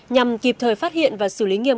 nhằm kịp thời phát hiện và xử lý nghiêm